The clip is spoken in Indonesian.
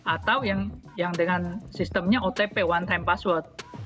atau yang dengan sistemnya otp one time password